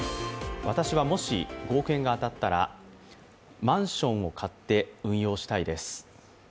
私はもし５億円が当たったらマンションを買って運用したいです。